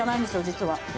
実は。